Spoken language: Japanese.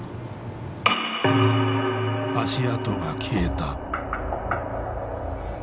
足跡が消えた。